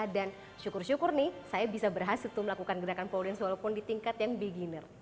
dan syukur syukur nih saya bisa berhasil untuk melakukan gerakan pole dance walaupun di tingkat yang beginner